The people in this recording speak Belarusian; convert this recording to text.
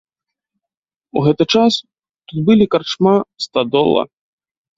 У гэты час тут былі карчма, стадола.